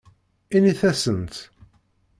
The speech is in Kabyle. Init-asent.